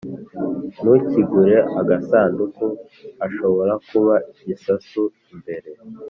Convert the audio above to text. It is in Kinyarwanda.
ntukingure agasanduku. hashobora kuba igisasu imbere.